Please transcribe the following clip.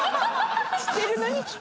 知ってるのに聞く。